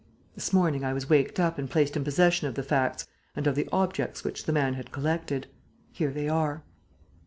This morning I was waked up and placed in possession of the facts and of the objects which the man had collected. Here they are."